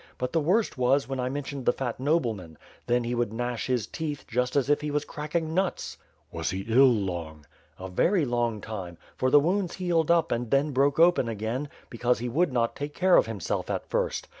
But the worst was, when I mentioned the fat nobleman. Then he would gnash his teeth, just as if he was cracking nuts." '^as he ill long?" 404 ^^^^^^^^^^^ flfiroiei). "A very long time; for the wounds healed up and then broke open again, because he would not take care of himself at first.